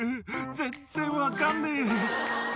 全然分かんねえよ。